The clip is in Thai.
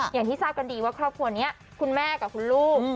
อย่างที่ทราบกันดีว่าครอบครัวนี้คุณแม่กับคุณลูก